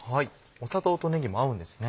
砂糖とねぎも合うんですね。